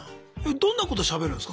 どんなことしゃべるんすか？